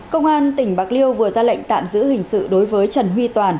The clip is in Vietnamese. công an tỉnh bạc liêu vừa ra lệnh tạm giữ hình sự đối với trần huy toàn